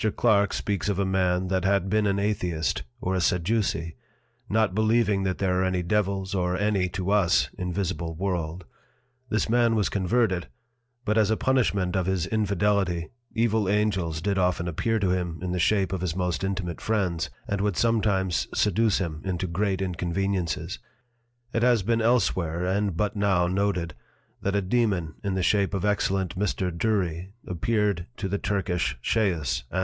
Clark speaks of a Man that had been an Atheist, or a Sadduce, not believing that there are any Devils or any (to us) invisible World; this Man was converted, but as a Punishment of his Infidelity, evil Angels did often appear to him in the Shape of his most intimate Friends, and would sometimes seduce him into great Inconveniences. It has been elsewhere, and but now noted, that a Dæmon in the shape of excellent Mr. Dury appeared to the Turkish Chaos, _Anno.